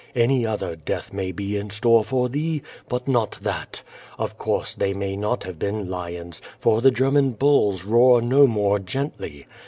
Any other death may be in store for thee, but not that. Of course they may not have been lions, for the German bulls roar no more gently.